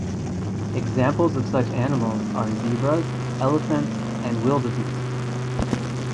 Examples of such animals are zebras, elephants, and wildebeest.